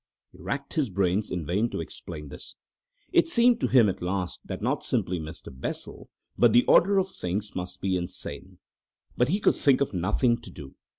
He racked his brains in vain to explain this. It seemed to him at last that not simply Mr. Bessel, but the order of things must be insane. But he could think of nothing to do.